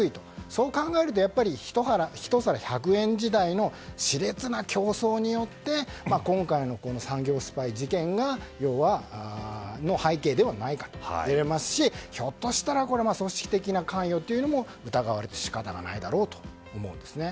そう考えるとやっぱり１皿１００円時代の熾烈な競争によって今回の産業スパイ事件の背景ではないかと思いますしひょっとしたら組織的な関与というのも疑われても仕方がないだろうと思うんですね。